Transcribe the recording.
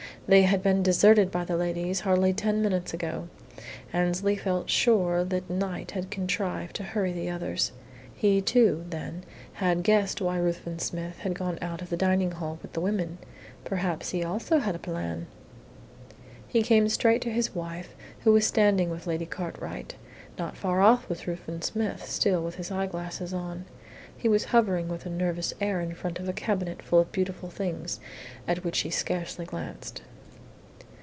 They had been deserted by the ladies hardly ten minutes ago. Annesley felt sure that Knight had contrived to hurry the others. He, too, then, had guessed why Ruthven Smith had gone out of the dining hall with the women. Perhaps he also had a plan! He came straight to his wife, who was standing with Lady Cartwright. Not far off was Ruthven Smith, still with his eyeglasses on. He was hovering with a nervous air in front of a cabinet full of beautiful things, at which he scarcely glanced.